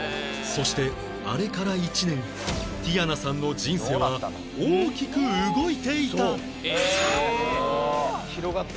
そしてあれから１年ティヤナさんの人生は大きく動いていた！ええーっ！